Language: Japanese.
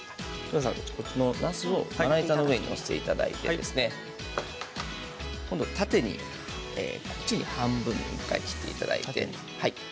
なすをまな板の上に載せていただいて今度、縦に半分に１回切っていただいて。